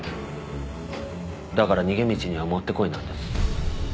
だから逃げ道にはもってこいなんです。